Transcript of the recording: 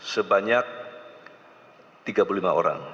sebanyak tiga puluh lima orang